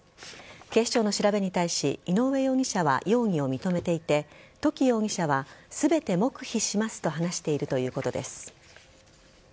警視庁の調べに対し井上容疑者は容疑を認めていて土岐容疑者は全て黙秘しますと話しているということです。